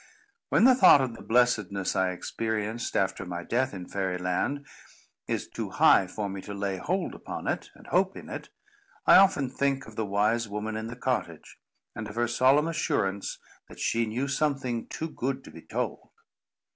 When the thought of the blessedness I experienced, after my death in Fairy Land, is too high for me to lay hold upon it and hope in it, I often think of the wise woman in the cottage, and of her solemn assurance that she knew something too good to be told.